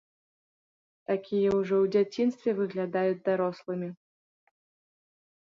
Такія ўжо у дзяцінстве выглядаюць дарослымі.